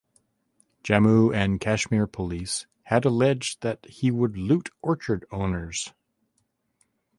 Jammu and Kashmir Police had alleged that he would "loot orchard owners".